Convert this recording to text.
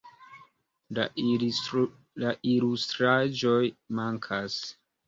La ilustraĵoj mankas.